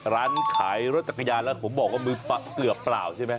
ร้านขายรถจักรยานแล้วผมบอกว่ามือเกลือบเปล่าใช่ไหม